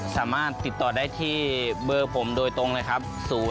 สามารถติดต่อได้ที่เบอร์ผมโดยตรงเลยครับ